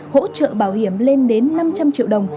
hỗ trợ bảo hiểm lên đến năm trăm linh triệu đồng